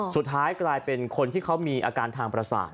สุดท้ายกลายเป็นคนที่เขามีอาการทางประสาท